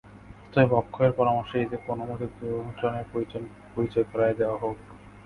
অতএব অক্ষয়ের পরামর্শ এই যে, কোনোমতে দুজনের পরিচয় করাইয়া দেওয়া হউক।